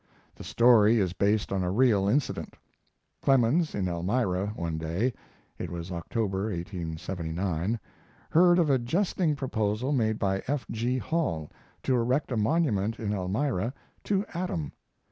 The story is based on a real incident. Clemens, in Elmira one day (it was October, 1879), heard of a jesting proposal made by F. G. Hall to erect a monument in Elmira to Adam.